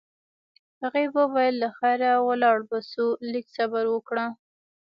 هغې وویل: له خیره ولاړ به شو، لږ صبر وکړه.